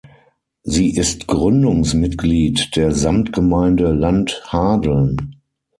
Sie ist Gründungsmitglied der Samtgemeinde Land Hadeln.